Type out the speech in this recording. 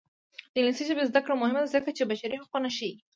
د انګلیسي ژبې زده کړه مهمه ده ځکه چې بشري حقونه ښيي.